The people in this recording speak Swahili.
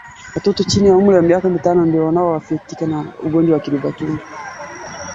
Kulishia mifugo katika mazingira yenye vichaka